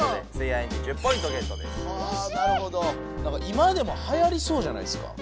今でもはやりそうじゃないですか？